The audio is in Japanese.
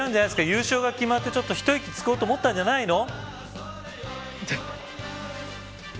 優勝が決まって、一息つこうと思ったんじゃないの。